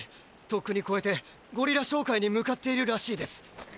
とっくにこえてゴリラ商会に向かっているらしいです。